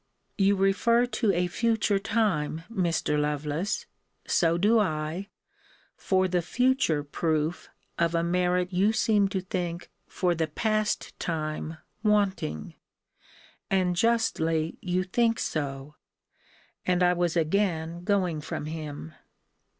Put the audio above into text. You refer to a future time, Mr. Lovelace, so do I, for the future proof of a merit you seem to think for the past time wanting: and justly you think so. And I was again going from him.